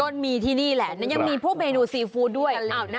มันมีที่นี่แหละนั้นยังมีพวกเมนูซีฟู้ดด้วย